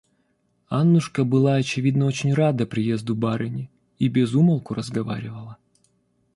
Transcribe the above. Аннушка была, очевидно, очень рада приезду барыни и без умолку разговаривала.